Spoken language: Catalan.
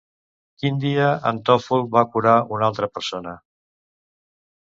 Quin dia en Tòful va curar una altra persona?